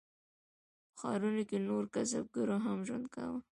په ښارونو کې نورو کسبګرو هم ژوند کاوه.